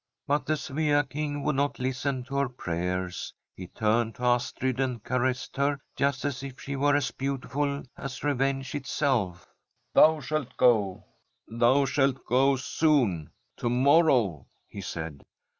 ' But the Svea King would not listen to her prayers. He turned to Astrid and caressed her, just as if she were as beautiful as revenge itself. '" Thou shalt go ! thou shalt go soon — ^to morrow !" he said.